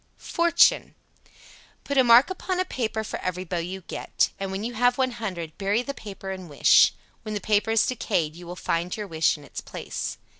FORTUNE. 76. Put a mark upon a paper for every bow you get, and when you have one hundred bury the paper and wish. When the paper is decayed you will find your wish in its place.